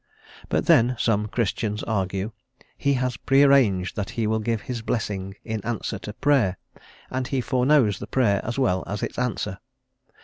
But, then, some Christians argue, he has pre arranged that he will give this blessing in answer to Prayer, and he foreknows the Prayer as well as its answer.